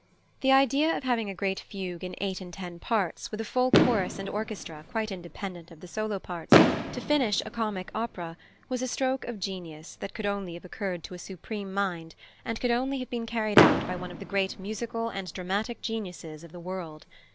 The idea of having a great fugue in eight and ten parts, with a full chorus and orchestra, quite independent of the solo parts, to finish a comic opera was a stroke of genius that could only have occurred to a supreme mind, and could only have been carried out by one of the great musical and dramatic geniuses of the world.